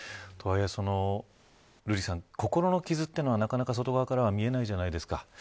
とはいえ瑠麗さん、心の傷というのはなかなか外側からは見えないじゃないですか。